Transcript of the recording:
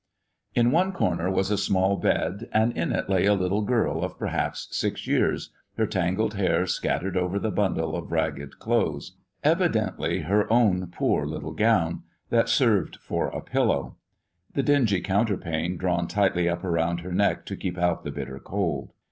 In one corner was a small bed, and in it lay a little girl of perhaps six years, her tangled hair scattered over the bundle of ragged clothes evidently her own poor little gown that served for a pillow; the dingy counterpane drawn tightly up around her neck to keep out the bitter cold.